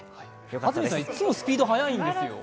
安住さん、いつもスピード早いんですよ。